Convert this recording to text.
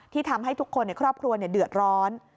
ทำให้ทุกคนในครอบครัวเดือดร้อน